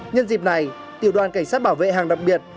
nhân dịp này tiểu đoàn cảnh sát bảo vệ hàng đặc biệt